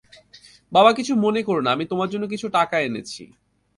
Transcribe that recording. বাবা কিছু মনে করো না, আমি তোমার জন্য কিছু টাকা এনেছি।